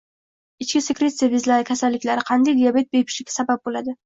Ichki sekretsiya bezlari kasalliklari, qandli diabet bepushtlikka sabab bo‘ladi.